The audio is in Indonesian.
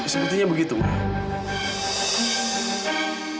sepertinya begitu ma